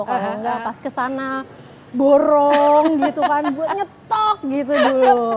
kalau enggak pas ke sana borong gitu kan buat nyetok gitu dulu